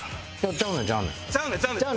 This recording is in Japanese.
ちゃうねんちゃうねん。